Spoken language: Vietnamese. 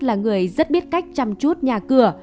là người rất biết cách chăm chút nhà cửa